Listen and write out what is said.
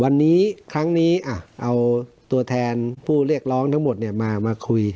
วันนี้ครั้งนี้เอาตัวแทนผู้เรียกร้องทั้งหมดมาคุย